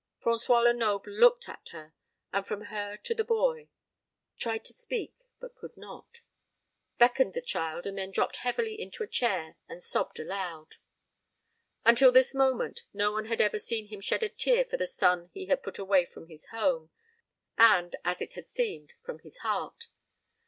François Lenoble looked at her, and from her to the boy; tried to speak, but could not; beckoned the child, and then dropped heavily into a chair and sobbed aloud. Until this moment no one had ever seen him shed a tear for the son he had put away from his home and, as it had seemed, from his heart.